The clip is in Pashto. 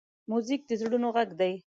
موزیک د زړونو غږ دی.